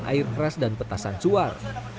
dengan menyiram air keras dan petasan suar